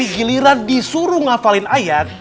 giliran disuruh ngafalin ayat